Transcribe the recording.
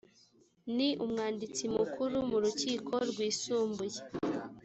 ni umwanditsi mukuru mu rukiko rwisumbuye